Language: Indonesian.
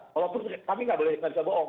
walaupun kami tidak boleh mengatakan bohong